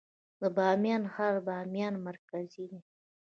د بامیان ښار د بامیان مرکز دی